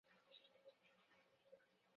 彼得宫城市内的留有大量历史建筑物。